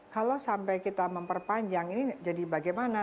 kalau sampai kita memperpanjang ini jadi bagaimana